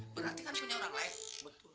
berarti kan punya orang lain betul